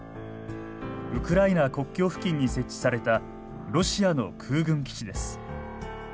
ウクライナ国境付近に設置されたロシアの空軍基地です。